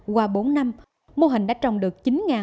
qua bốn năm mô hình đã trồng được chín sáu trăm linh